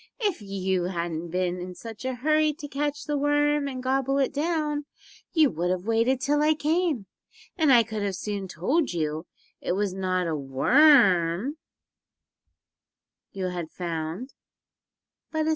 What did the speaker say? If you hadn't been in such a hurry to catch the worm and gobble it down you would have waited till I came, and I could soon have told you it was not a worm you had found, but a snake."